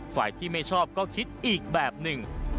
ฝ่ายที่ไม่ชอบก็คิดอีกแบบหนึ่ง